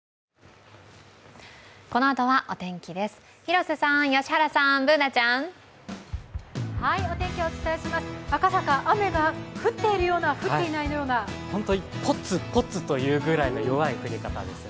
このあとはお天気です、広瀬さん、良原さん、Ｂｏｏｎａちゃん。お天気お伝えします、赤坂雨が降っているような本当にポツポツというぐらいの弱い雨ですね。